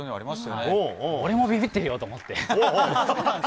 俺もビビってるよと思って。